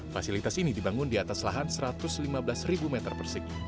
fasilitas ini dibangun di atas lahan satu ratus lima belas meter persegi